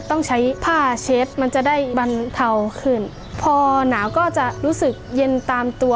ต้องใช้ผ้าเชฟมันจะได้บรรเทาขึ้นพอหนาวก็จะรู้สึกเย็นตามตัว